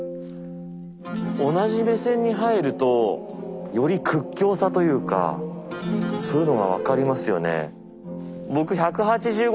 同じ目線に入るとより屈強さというかそういうのが分かりますよね。